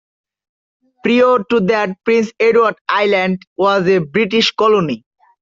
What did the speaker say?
Prior to that, Prince Edward Island was a British colony.